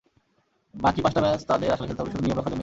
বাকি পাঁচটা ম্যাচ তাদের আসলে খেলতে হবে শুধু নিয়ম রক্ষার জন্যই।